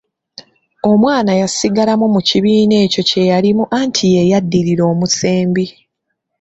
Omwana yasigalamu mu kibiina ekyo kye yalimu anti y'eyaddirira omusembi.